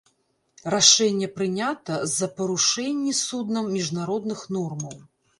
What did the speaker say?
Рашэнне прынята з-за парушэнні суднам міжнародных нормаў.